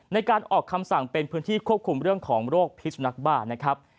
ในการออกคำสั่งเป็นพื้นที่ควบคุมเรื่องของโรคพิษนักบ้านะครับ